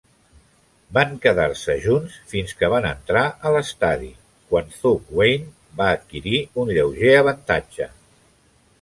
Van quedar-se junts fins que van entrar a l'estadi, quan Thugwane va adquirir un lleuger avantatge.